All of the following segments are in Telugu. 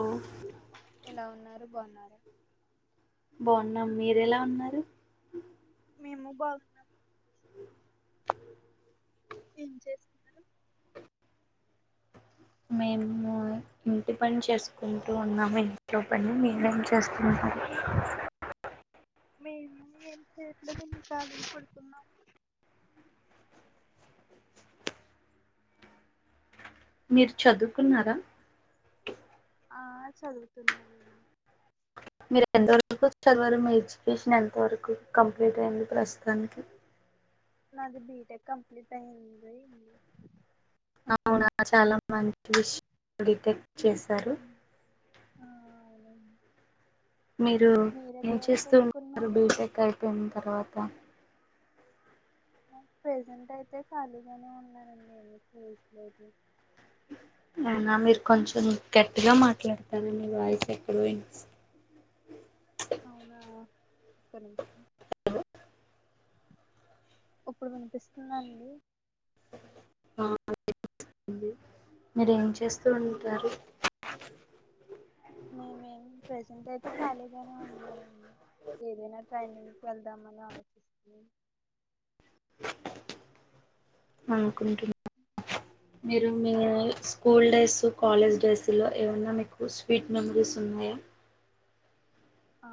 ఓ ఎలా ఉన్నారు బాగున్నారా బాగున్నాం మీర ఎలా ఉన్నారు మెము బగున్నం ఏం చేస్తున్నారు మేము ఇంటి పని చేసుకుంటూ ఉన్నాము ఇంట్లో పని మెరెమ్ చేస్తునారు మేము ఏం చేయట్లేదు కలిగ పడుకున్నాం మీరు చదువుకున్నారా ఆ చదువుతున్నామం మీర్ ఎంతవరకు చదివార్, మీ ఎడ్యుకేషన్ ఎంత వరకు కంప్లీట్ అయింది ప్రస్తుతానికి. నాది బీటెక్ కంప్లీట్ అయిందింది అవునా చాలా మంచి విషయం అండి తే అ చేశారు మీరు ఏం ఎక్కడ వరకు చేస్తూ ఉన్నారు చదువుకున్నారు బీటెక్ అయిపోయిన తర్వాత ప్రెజెంట్ అయితే ఖాళీగానే ఉన్నానండి ఏమి చేయట్లేదు అవునా మీరు కొంచెం గట్టిగా మాట్లాడతరా మీ వాయిస్ ఎక్కడో వినిపిస్. అవునా ఒక్క నిమిషం ఇప్పుడు వినిపిస్తుందా అండి అవునా అండి మీరేం చే చేస్తువుంటారు మేమేం ప్రెజెంట్ అయితే ఖాళీగానే ఉన్నానండి ఏదైనా ట్రైనింగ్కి వెళ్దామని ఆలోచిస్తున్నా హ్ కుంటున్న మీరు మీ school days so college days లో ఏవైనా మీకు స్వీట్ మెమోరీస్ ఉన్నాయా ఆ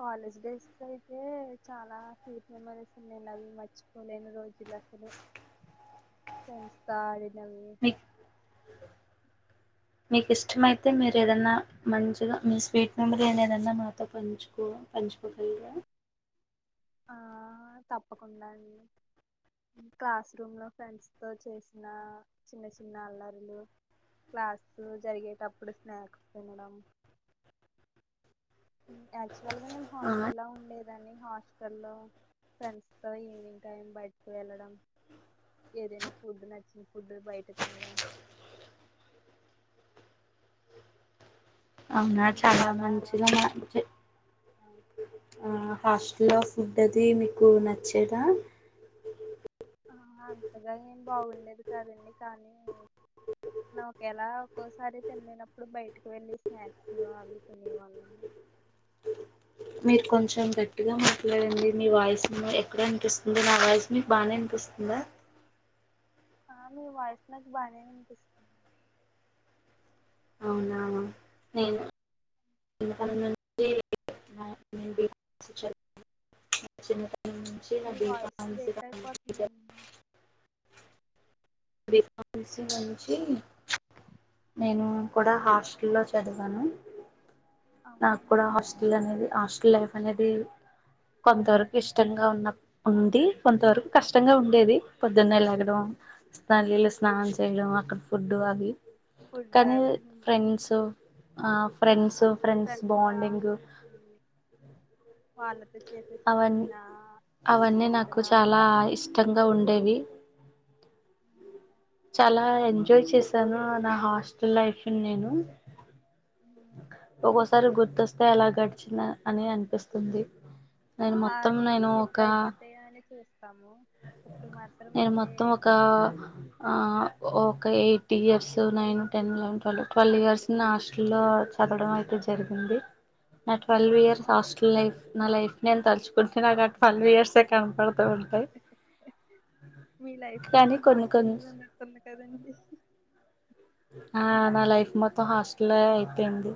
కాలేజ్ డేస్ అయితే, చాలా స్వీట్ మెమోరీస్ ఉన్నాయండీ అవి మర్చిపోలేని రోజులు అసలు ఫ్రెండ్సతో వి మీకు మీకు ఇష్టమైతే మీరు ఏదన్నా మంచిగా మీ స్వీట్ మెమొరి, ఏదన్నా మాతో పంచుకో పంచుకోగలరా. ఆ తప్పకుండా అండి క్లాస్ రూమ్ లో ఫ్రెండ్స్ తో, చేసిన చిన్న చిన్న అల్లరిలు, క్లాసు జరిగేటప్పుడు స్నాక్స్ తినడం. యాక్చువల్ గా నేన్ ఆ హాస్టల్ లో ఉండే ని హాస్టల్ లో ఫ్రెండ్స్ తో ఈవినింగ్ టైం బయటకు వెళ్ళడం, ఏదైనా ఫుడ్ నచ్చిన ఫుడ్ బయట తినడం అవునా చాలా మంచిగా ఆ హాస్టల్లో ఫుడ్ అది మీకు నచ్చేదా ఆ అంతగా ఏం బాగుండేది కాదండి, కానీ నా ఒకేలా ఒక్కోసారి తినలేనప్పుడు బయటకి వెళ్ళి, స్నాక్స్ అవి తినేవాళ్ళము మీరు కొంచెం గట్టిగా మాట్లాడండి, మీ వాయిస్ ఎక్కడ అనిపిస్తుంది నా వాయిస్ మీకు బాగానే అనిపిస్తుందా ఆ మీ వాయిస్ నాక్ బానే వినిపిస్ నేను ఎందుక [unintelligible] [inaudible] మీ వాయిస్ బీఫార్మసీ బ్రేక్ కంప్లీట్ అయిపోతందండి [unintelligible] మంచి నేను కూడా ఉమ్, హాస్టల్లో చదివాను. నాకు కూడా అవునండి హాస్టల్ అనేది హాస్ లైఫ్ అనేది కొంత వరకు ఇష్టంగా ఉన్న ఉంది కొంత వరకు కష్టంగా ఉండేది పొద్దున్నే లెగడం తల్నీళ్ల స్నానం చేయడం అక్కడ ఫుడ్డు అవి ఫుడ్ కానీ అవి ఫ్రెండ్స్ ఆ ఫ్రెండ్స్ ఫ్రెండ్స్ బాండింగ్ వాళ్ళ అవన్ని అవన్నీ నాకు చేష్టలు చాలా అలవాటు. ఇష్టంగా ఉండేవి ఉమ్, చాలా ఎంజాయ్ చేసాను ఆడ హాస్ ల్ లైఫ్ న్ నేను ఒగోసారి గుర్తొస్తే ఎలా గడిచిందా అని అనిపిస్తుంది. నేను ఆ మొత్తం ఆడేస్ నేను ఒక ఇప్పుడయిపోతాయ అని చూస్త నేను మొత్తం ఒక ఆ ఓ ఒక eight years nine ten eleven twelve twelve years ని హాస్టల్ లో చదవడం అయి జరిగింది నా ట్వెల్వ్ ఇయర్స్ వామ్మో హాస్టల్ లైఫ్ నా లైఫ్ నేను తలుచుకుంటే నాకా ట్వెల్వ్ ఇయర్సయే కనపడత ఉంటాయి. మీ లైఫ్ కానీ సగం కొన్ని కొన్ని హాస్టల్లోనే ఉన్నట్టుంది కదండి ఆ నా లైఫ్ మొత్తం హాస్టలే అయిపేంది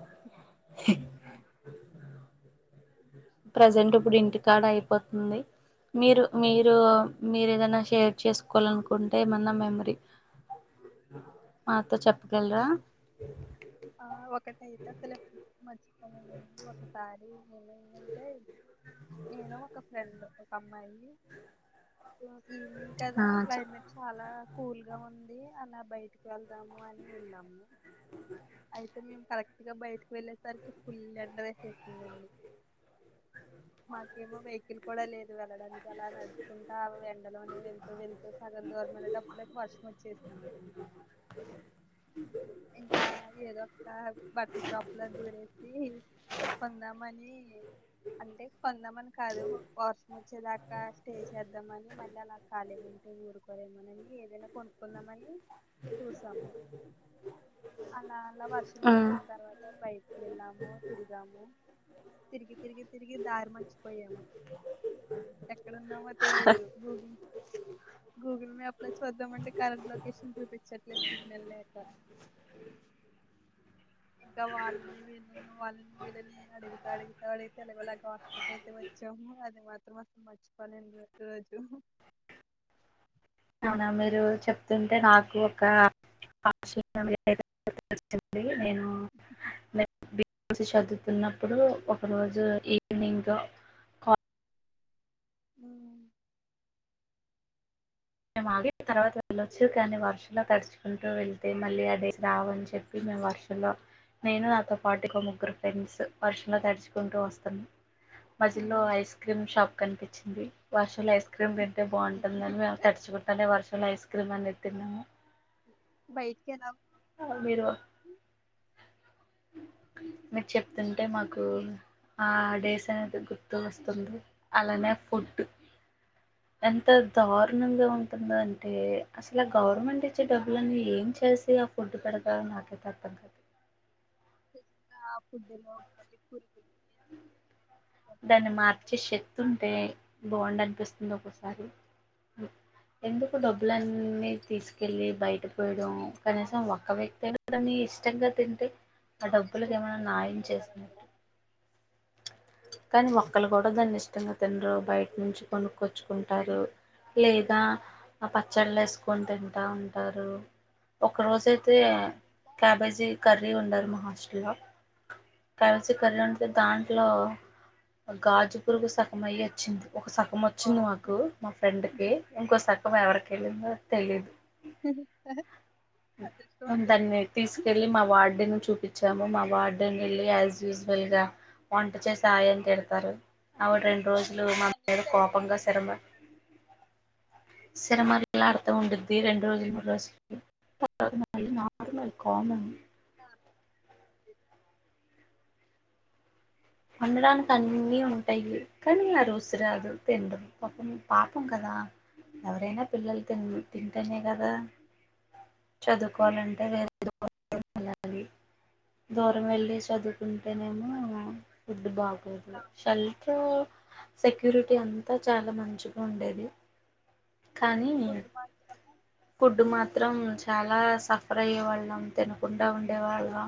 ఊహు ప్రజెంట్ ఇప్పుడు ఇంటికాడ అయిపోతుంది. మీరు మీరూ మీరు ఏవైనా షేర్ చేసుకోలనుకుంటే ఏమైన్న మెమరీ మాతో చెప్పగలరా? ఆ ఒకటయితే అసలు ఎప్పటికీ మర్చి పోలేనండి ఒకసారి ఏమైందంటే నేను ఒక ఫ్రెండ్ అమ్మాయి జో ఈవినింగ్ కదా ఆ చె క్లైమెట్ చాలా కూల్ గా ఉంది అలా బయటికి వెళ్దాము అని వెళ్ళాము అయితే మేమ్ కరెక్ట్ గా బయటకి వెళ్ళేసరికి ఫుల్ ఎండ వేసేసిన్దండి, మాకేమో వెహ్కిల్ కూడా లేదు వెళ్ళడానికి అలా నడుచుకుంటా ఎండలోనే వెళ్తూ వెళ్ సగం దూరం వేల్లెటప్పలికి వర్షం వచ్చేసింది. ఇంకా ఏదో ఒక బట్లా షాప్ ల దూరేసి కొందామని అంటే కొందామని కాదు వర్స్ వచ్చేదాకా స్టే చేద్దామని మళ్ళీ అలా కాలీగుంటే ఊరుకోరేమోనని ఏదైనా కొనుక్కుందామని చూసాము అలాత్ ఎట్లా వర్షం మ్ తగ్గిన తర్వాత బై వెళ్ళాము తిరిగాము తిరిగి తిరిగి తిరిగి దారి మర్చిపోయాము ఎక్కడ ఉన్నామో తెలీదు గూగుల్ గూగల్ మ్యాప్ లో చెద్దాం అంటె కరెంట్ లొకేషన్ చూపించట్లేదు సిగ్నల్ లేక ఇక వాళ్ళని వీళ్ళని వాళ్ళని వీళ్ళని అడుగుతా అడుగుతా అడుగుతే ఎలాగోలా అయితే వచ్చాము అది మాత్రం అసలు మర్చిపోలేని రో రోజు అవున అండి రోచెప్ [unintelligible] అవుతుంటే నాకు ఒక [unintelligible] బి పామ్ సీ చదువుతున్నప్పుడు ఒక రోజు ఈవినింగ్ హ్మ్ మిము అడె తర్వాత వెళ్ళొచ్చు కానీ వర్షంలో తడుచుకుంటూ వెళ్తే మళ్ళీ ఆ డేస్ రావని చెప్పి మేము వర్షంలో నేను నాతో పాటు ఒక ముగ్గురు ఫ్రెండ్స్ వర్షంలో తడుచుకుంటూ వస్తున్నామ్ మజిల్లో ఉమ్. ఐస్ క్రీమ్ షాప్ కనిపించింది‌. వర్షంలో ఐస్ క్రీమ్ తింటే‌ బావుంటుంది అని చూత్తానే‌ వర్షంలో ఐస్ క్రీమ్ అనేది తిని బైటికి ఏనాం ఎవరు మీరూ మీరు చెప్తుంటే నాకు ఆ డేస్ అనేది గుర్తు వస్తుంది అలానే ఫుడ్ ఎంత దారుణంగా ఉంటుంది అంటే అసలు గవర్నమెంట్ ఇచ్చే డబ్బులన్నీ ఏం చేసి ఫుడ్ పడాద నాదే తప్పు అంతా ఫుడ్ లో పాని పూరి దాన్ని మార్చే బాగుండేది శక్తుంటే బావుండు అనిపిస్తుంది ఒక్కొసారి సారి. ఎందుకు డబ్బులన్నీ తీసుకెళ్ళి బయట పోయడం కనీసం ఒక్క వ్యక్తి అయినా దాని ఇష్టంగా తింటే. ఆ డబ్బులకు ఇష్టంగా ఎమన్నా నాయం తినేవారు చేయ్ ఉంటారు అక్కడ కానీ ఒక్కరు కూడా దాన్ని ఇష్టంగా తినరు బయట నుంచి కొనుక్కొచ్చుకుంటారు లేదా పచ్చళ్ళు వేసుకొని తింటా ఉంటారు ఒక రోజు అయితే హాస్టల్లో క్యాబేజీ కర్రీ ఉండరు మా హాస్టల్లో క్యాబేజీ కర్రీ ఉంటే దాంట్లో. ఒక గాజు పురుగు సాన్నమయి వచ్చింది. ఒక సగం వచ్చింది మాకు బాబోయ్ మా ఫ్రెండ్కి ఇంకో సగం ఎవరికి వెళ్ళిందో. తెలీదు అదృష్టవంతులు ఉదాన్ని వెళ్ళినాము తీసుకెళ్ళి మా వార్డెన్ చూపించాము మా వార్డెన్. వెళ్ళి యాస్ యూజుల్ గా వంట చేస్. సాయం తిడతారు అవుడు రెండు రోజులు ఇంట్లో మా మళ్ళీ మీద డైలీ కోపంగా రొటీన్ శరమ. అనుకుంటాను సిరమరిలా అర్త ఉండడుది రెం రోజు మూడు రోజు అవి ఆనీ నార్మల్ కామన్. [inaudible] అండ రన్ అన్నీ ఉంటాయి కానీ ఆ రోజు. రాదు తిందు పపం పాపం కదా ఎవరైనా పిల్లలు తి తింటేనే కదా చదువుకోవాలంటే వేరే దూరం వెళ్ళాలి దూరం వెళ్ళి చదువుకుంటేనేమో. ఫుడ్ బాగు ఒకే హాస్టల్ షల్తో సెక్యూరిటీ అంతా చాలా మంచిగా ఉండేది. కానీ ఫుడ్ మాత్రమే ఫుడ్ మాత్రం చె చాలా సఫర్ అయ్యే వాళ్ళం తినకుండా ఉండేవాళ్ళం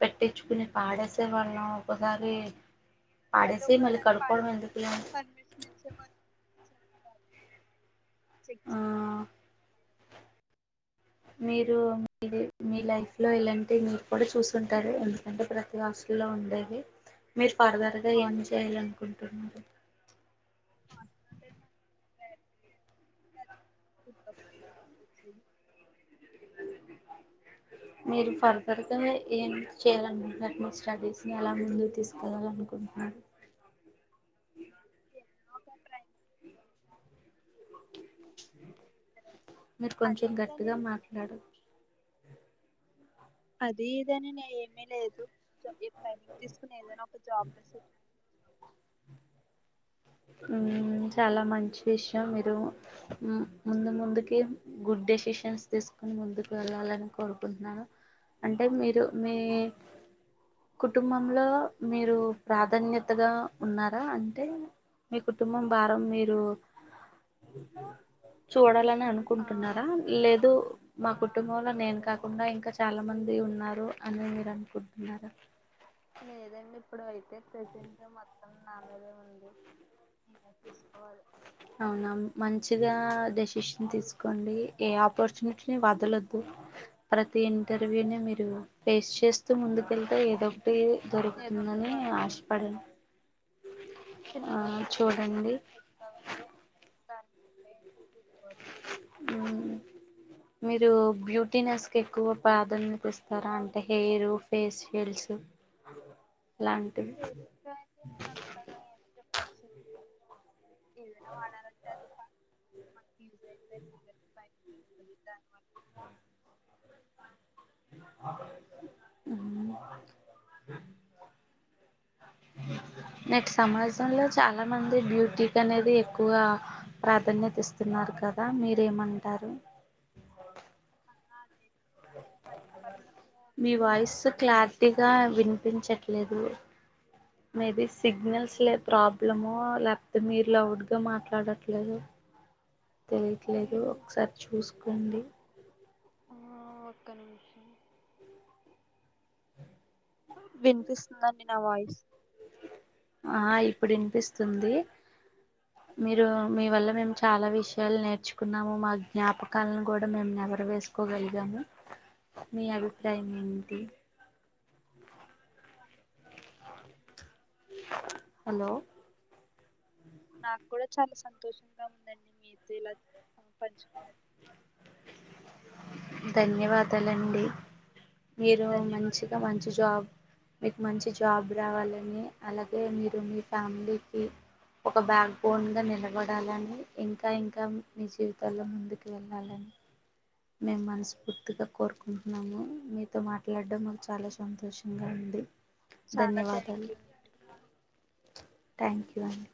పెట్టించుకుని పాడేసే వాళ్ళం ఒకసారీ. పాడేసి మళ్ళీ ఒక్కోసారి కడుక్కోవడం పాడేద్దామన్నా ఎందుకులే కానీ అని పర్మిషన్ ఇచ్చేవారు ఆ [inaudible] మీరు మీది మీ లైఫ్ లో ఇలాంటి మీరు కూడా చూసుంటారు ఎందుకంటే ప్రతి హాస్టల్లో ఉండేవే మీరు ఆ, ఫర్దర్గా ఏం హాస్టల్ చేయాలి అంటేనే అనుకుంటున్నారు. [inaudible] మీరు ఫర్దర్గా ఏం చేయాలనుకుంటున్నారు మీ స్టడీస్ ని ఎలా ముందుకు తీసుకెళ్లాలి అనుకుంటున్నారు. [unintelligible] మీరు అదే కొంచెం ఇదని గట్టిగా లేదు మాట్లాడు అది ఇదని నే ఏమి లేదు ఏ ట్రైనింగ్ తీసుకుని ఏదైనా ఒక జాబ్ లో సెటిల్ చాలు. ఊ చాలా మంచి విషయం మీరు ముందు ముందుకి గుడ్ డెసిషన్స్ తీసుకొని ముందుకు వెళ్ళాలని కోరుకుంటున్నాను అంటే మీరు మీ కుటుంబంలో మీరు ప్రాధాన్యతగా ఉన్నారా అంటే మీ కుటుంబం బారం మీరు చూడాలని ఆ అనుకుంటున్నారా లేదు మా ఆ కుటుంబంలో నేను ఉందండి కాకుండా ఇంకా చాలా మంది ఉన్నారు అని మీరు అనుకుంటున్నారా [inaudible] ప్రజెంటు నాకైతే అవును నా మీదే ఉంది నేనే చూసుకోవాలి అవునా మంచిగా డెసిషన్ తీసుకోండి ఏ ఆపర్చునిటీని వదలద్దు ప్రతి ఆ ఇంటర్వ్యూని మీరు ఫేస్ చేస్తూ ముందుకెళ్తే ఏదో పే ఏదో ఒకటి దొరుకుతుందని వస్తువు ఆశపడను చిన్నదో పెద్దదో ఏదైనా చేద్దామని కానీ మీరు బ్యూటీనెస్ కి ఎక్కువ ప్రాధాన్యత ఇస్తారా అంటే హెయిర్ ఫేషయల్స్ లాంటివి పక్షి ఇదనా వాళాలంటే అదిపా మంకీ [inaudible] మ్ నేను నేటి సమాజంలో చాలా మంది బ్యూటీకి అనేది ఎక్కువ ప్రాధాన్యత ఇస్ తున్నారు ప్రిఫర్ కదా చేస్తున్నారు మీరేమంటారు అదైతే హండ్రెడ్ పర్సెంట్ మీ వాయిస్ క్లారిటీగా వినిపించట్లేదు, మీది సిగ్నల్స్ లే ప్రాబ్లమో, లేకపోతే మీరు లౌడ్గా మాట్లాడట్లేదో తెలియట్లేదు ఒకసారి చూసుకోండి. ఆ ఒక్క నిమిషం వినిపిస్తుందండి నా వాయిస్ ఆ ఇప్పుడు ఇన్పిస్తుంది మీరు మీ వల్ల మేము చాలా విషయాలు నేర్చుకున్నాము మా జ్ఞాపకాలను కూడా మేము నెమరు వేసుకోగలిగాము మీ అభిప్రాయం ఏంటి హలో నాకు కూడా చాలా సంతోషంగా ఉందండి మీతో ఇలా పంచుకో [inaudible] ధన్యవాదాలండి మీరు ధన్యవాదములు మంచిగా మంచి జాబ్ మీకు మంచి జాబ్ రావాలని అలాగే మీరు మీ ఫ్యామిలీకి ఒక బ్యాక్ బోన్ గా నిలబడాలని ఇంకా ఇంకా మీ జీవితాల్లో ముందుకు వెళ్ళాలని మేము మనస్ఫూర్తిగా కోరుకుంటున్నాము మీతో మాట్లాడడం మాకు చాలా సంతోషంగా ఉంది చాలా థ్యాంక్ యూ అండి ట్యాంక్ యూ అండి